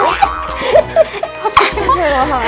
mas iti mau ngasih